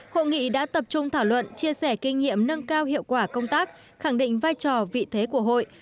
hội nghị đã tập trung thảo luận chia sẻ kinh nghiệm nâng cao hiệu quả công tác khẳng định vai trò vị thế của hội